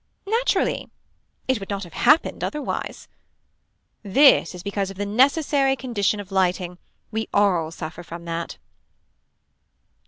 Naturally. It would not have happened otherwise. This is because of the necessary condition of lighting. We all suffer from that.